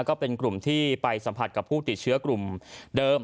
ก็เป็นกลุ่มที่ไปสัมผัสกับผู้ติดเชื้อกลุ่มเดิม